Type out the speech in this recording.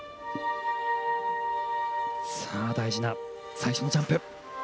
大事な最初のジャンプ。